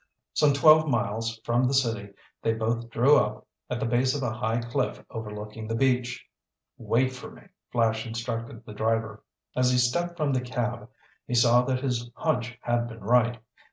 Some twelve miles from the city, they both drew up at the base of a high cliff overlooking the beach. "Wait for me," Flash instructed the driver. As he stepped from the cab, he saw that his hunch had been right.